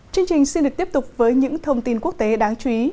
chương trình xin được tiếp tục với những thông tin quốc tế đáng chú ý